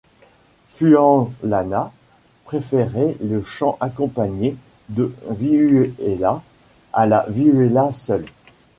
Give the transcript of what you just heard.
Fuenllana préférait le chant accompagné de vihuela à la vihuela seule.